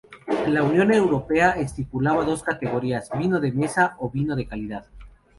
La Unión Europea estipulaba dos categorías: "vino de mesa" o "vino de calidad".